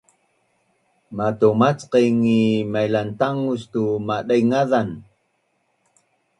matumacqaing is mailantangus tu madengazan